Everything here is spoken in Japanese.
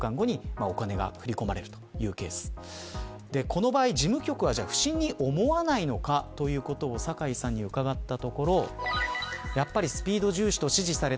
この場合、事務局は不審に思わないのかということを酒井さんに伺いました。